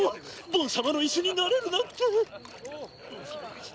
ボン様のイスになれるなんて！